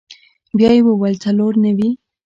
بيا يې وويل څلور نوي.